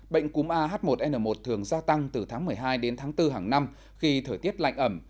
bệnh cúm ah một n một thường gia tăng từ tháng một mươi hai đến tháng bốn hàng năm khi thời tiết lạnh ẩm